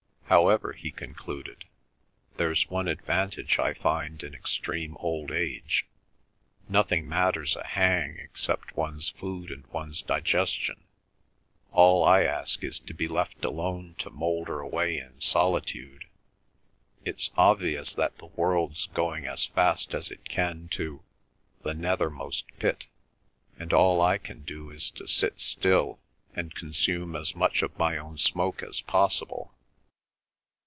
"However," he concluded, "there's one advantage I find in extreme old age—nothing matters a hang except one's food and one's digestion. All I ask is to be left alone to moulder away in solitude. It's obvious that the world's going as fast as it can to—the Nethermost Pit, and all I can do is to sit still and consume as much of my own smoke as possible."